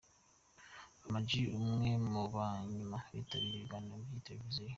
Ama G umwe mu ba nyuma bitabiriye ibiganiro by'iyi televiziyo.